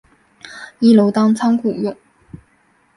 一楼当仓库用